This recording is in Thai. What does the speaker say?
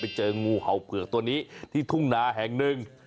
เจองูเห่าเผือกตัวนี้ที่ทุ่งนาแห่งหนึ่ง